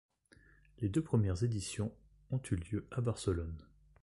Les deux premières éditions ont eu lieu à Barcelone.